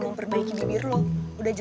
montreng liat di seluruh dunia